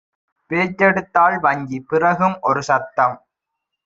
பேச்செடுத்தாள் வஞ்சி; பிறகும் ஒருசத்தம்: